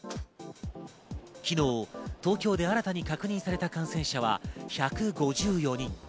昨日、東京で新たに確認された感染者は１５４人。